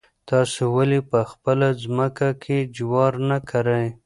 تاسو ولې په خپله ځمکه کې جوار نه کرئ؟